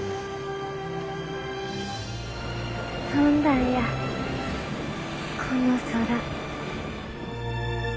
飛んだんやこの空。